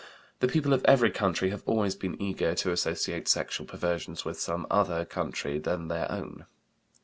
The people of every country have always been eager to associate sexual perversions with some other country than their own.